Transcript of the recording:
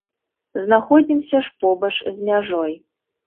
Знаходзімся ж побач з мяжой.